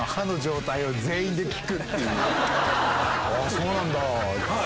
そうなんだ。